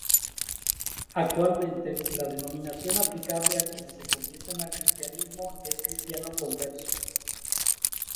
Actualmente, la denominación aplicable a quienes se convierten al Cristianismo es cristiano converso.